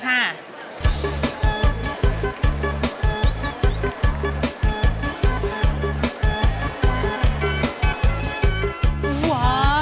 ว้าว